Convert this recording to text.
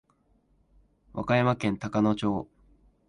和歌山県高野町